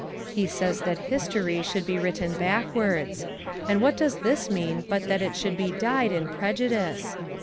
He says that history should be written backwards; and what does this mean but that it should be dyed in prejudice?